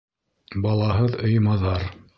Балаһыҙ өй маҙар.